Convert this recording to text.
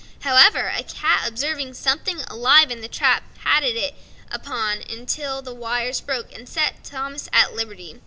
However, a cat, observing something alive in the trap, patted it about till the wires broke, and set Thomas at liberty.